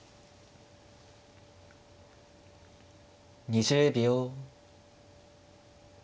２０秒。